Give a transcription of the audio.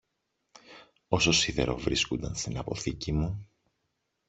Όσο σίδερο βρίσκουνταν στην αποθήκη μου